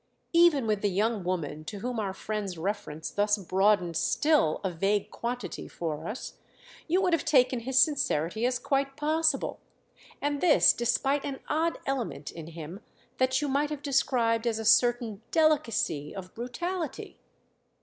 Even with the young woman to whom our friends' reference thus broadened still a vague quantity for us, you would have taken his sincerity as quite possible—and this despite an odd element in him that you might have described as a certain delicacy of brutality.